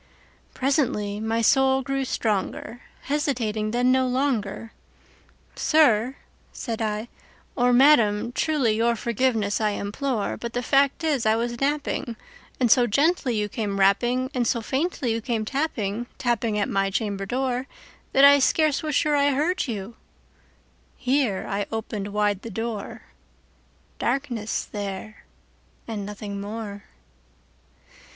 Presently my soul grew stronger; hesitating then no longer,"Sir," said I, "or Madam, truly your forgiveness I implore; But the fact is I was napping, and so gently you came rapping, And so faintly you came tapping, tapping at my chamber door, That I scarce was sure I heard you"—here I opened wide the door:—Darkness there and nothing more.